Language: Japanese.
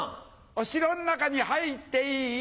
お城の中に入っていい？